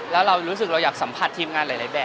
แล้วเรารู้สึกเราอยากสัมผัสทีมงานหลายแบบ